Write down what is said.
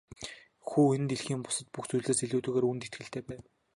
Хүү энэ дэлхийн бусад бүх зүйлсээс илүүтэйгээр үүнд итгэлтэй байв.